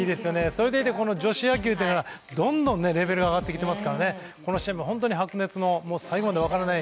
それでいて女子野球というのがどんどんレベルが上がってきていますからこの試合も本当に白熱の最後まで分からない